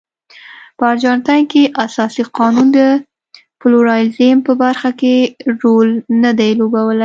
په ارجنټاین کې اساسي قانون د پلورالېزم په برخه کې رول نه دی لوبولی.